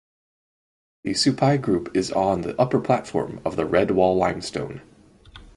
The Supai Group is on the upper platform of the Redwall Limestone.